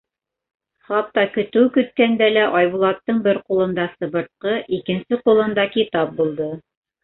Хатта көтөү көткәндә лә Айбулаттың бер ҡулында сыбыртҡы, икенсе ҡулында китап булды.